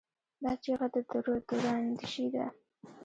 دا چیغه د دوراندیشۍ ده.